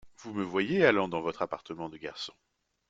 Vous me voyez allant dans votre appartement de garçon.